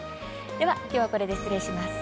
では今日はこれで失礼します。